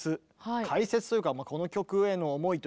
解説というかこの曲への思いというか。